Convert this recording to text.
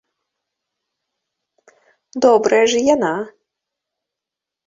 Добрая ж і яна!